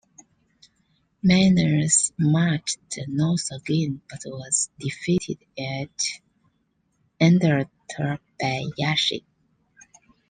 Menas marched north again, but was defeated at Enderta by Yeshaq.